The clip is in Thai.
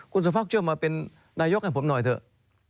คุณสุภักดิช่วยมาเป็นนายกให้ผมหน่อยเถอะ